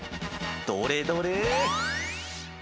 どれどれ？